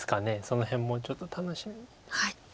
その辺もちょっと楽しみです。